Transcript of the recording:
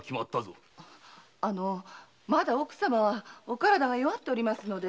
あのまだ奥様はお体が弱っておりますので。